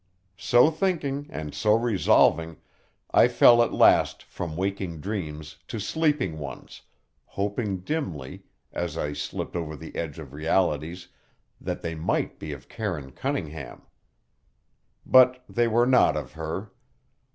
So thinking, and so resolving, I fell at last from waking dreams to sleeping ones, hoping dimly, as I slipped over the edge of realities, that they might be of Karine Cunningham. But they were not of her.